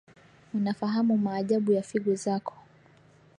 unafahamu maajabu ya figo zako